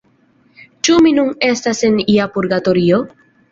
Ĉu mi nun estas en ia purgatorio?